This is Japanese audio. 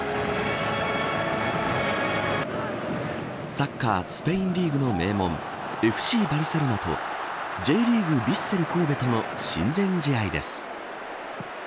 サッカースペインリーグの名門ＦＣバルセロナとＪリーグヴィッセル神戸との親善試合です。